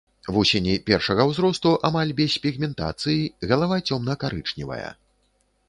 Вусені першага ўзросту амаль без пігментацыі, галава цёмна-карычневая.